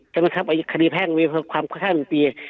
จำนวนครับอาจารย์คดีแพ่งมีความแค่๑ปี